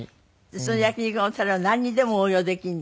その焼き肉のタレはなんにでも応用できるの？